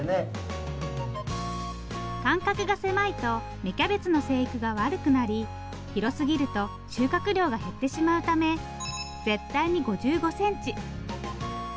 間隔が狭いと芽キャベツの生育が悪くなり広すぎると収穫量が減ってしまうため絶対に５５センチ。